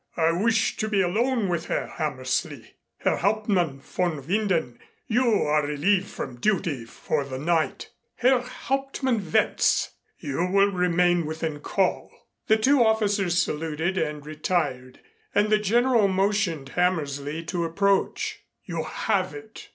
"I wish to be alone with Herr Hammersley. Herr Hauptmann von Winden, you are relieved from duty for the night. Herr Hauptmann Wentz, you will remain within call." The two officers saluted and retired and the General motioned Hammersley to approach. "You have it?"